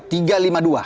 tiga lima dua